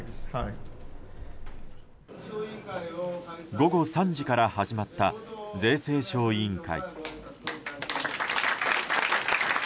午後３時から始まった税制小委員会。